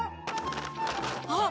あっ！